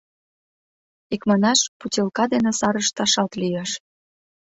Икманаш, путилка дене сар ышташат лиеш.